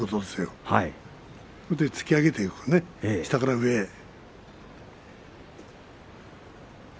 そして突き上げる、下から上へ。